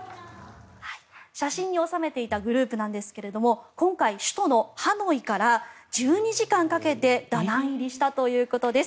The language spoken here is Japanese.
写真に収めていたグループなんですが今回、首都のハノイから１２時間かけてダナン入りしたということです。